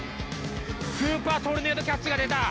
スーパートルネードキャッチが出た！